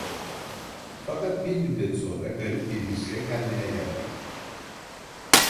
Fakat bir müddet sonra garip bir hisle kendine geldi.